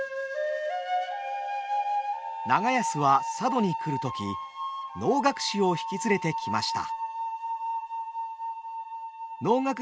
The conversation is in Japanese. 長安は佐渡に来る時能楽師を引き連れてきました。